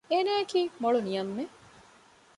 އޭނާ އަކީ މޮޅު ނިޔަންމެއް